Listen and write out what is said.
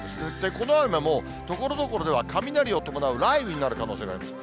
この雨はところどころでは雷を伴う雷雨になる可能性があります。